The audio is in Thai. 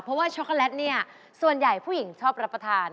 เพราะว่าช็อกโกแลตเนี่ยส่วนใหญ่ผู้หญิงชอบรับประทาน